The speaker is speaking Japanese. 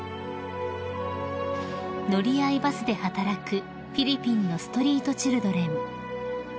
［乗り合いバスで働くフィリピンのストリートチルドレン］